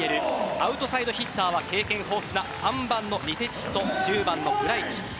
アウトサイドヒッターは経験豊富な３番のニセティチと１０番のブライチ。